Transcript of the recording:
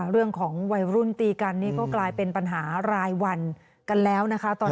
เรื่องของวัยรุ่นตีกันนี่ก็กลายเป็นปัญหารายวันกันแล้วนะคะ